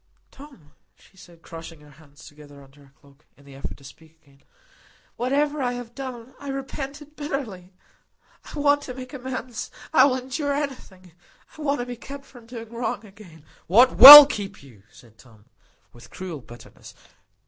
"Tom," she said, crushing her hands together under her cloak, in the effort to speak again, "whatever I have done, I repent it bitterly. I want to make amends. I will endure anything. I want to be kept from doing wrong again." "What will keep you?" said Tom, with cruel bitterness.